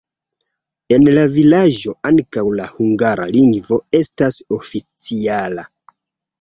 En la vilaĝo ankaŭ la hungara lingvo estas oficiala.